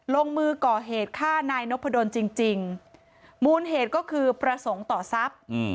ลงมือก่อเหตุฆ่านายนพดลจริงมูลเหตุก็คือประสงค์ต่อทรัพย์